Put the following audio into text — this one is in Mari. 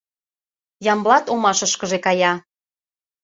Ямблат омашышкыже кая.